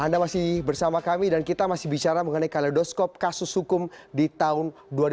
anda masih bersama kami dan kita masih bicara mengenai kaledoskop kasus hukum di tahun dua ribu dua